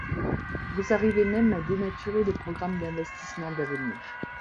Vous arrivez même à dénaturer le programme d’investissement d’avenir.